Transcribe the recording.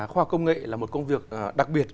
khoa học công nghệ là một công việc đặc biệt